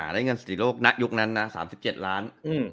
และเงินสติโลกณยุคนั้นนะ๓๗ล้าน